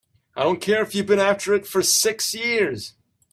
I don't care if you've been after it for six years!